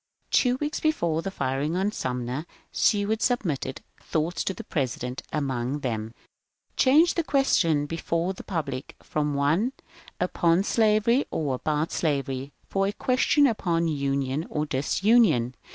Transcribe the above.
Two weeks before the firing on Sumter, Seward sub mitted " Thoughts " to the President, among them :— Change the question before the public from one upon Slavery, or about Slavery^ for a question upon Union or Dis union.